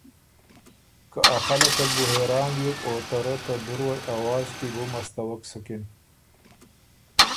که ا خلق ال بُو حېران بیوک او ته رۀ ته دُروئ اواز کی بُو مستَوَک سُکِن۔